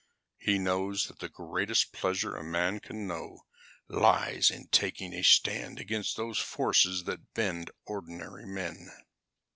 He knows that the greatest pleasure a man can know lies in taking a stand against those forces that bend ordinary men."